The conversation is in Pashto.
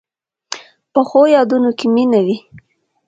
پخو یادونو کې مینه وي